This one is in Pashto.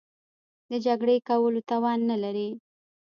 د جګړې کولو توان نه لري.